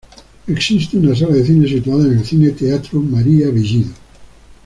Existe una sala de cine, situada en el Cine-Teatro María Bellido.